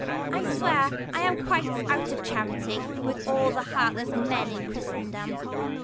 20 I swear, I am quite out of charity With aLLthe. heartless men in Christendom.